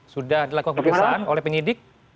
sudah dilakukan pemeriksaan oleh penyidik